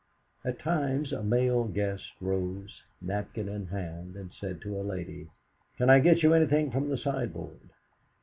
At times a male guest rose, napkin in hand, and said to a lady: "Can I get you anything from the sideboard?"